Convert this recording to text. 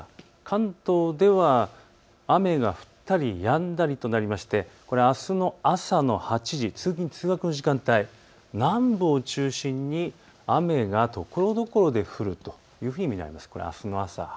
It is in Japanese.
関東では雨が降ったり、やんだりとなりましてこれはあすの朝の８時、通学の時間帯、南部を中心に雨がところどころで降るというふうに見られます。